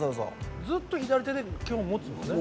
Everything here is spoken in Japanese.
ずっと左手で基本は持つんですね？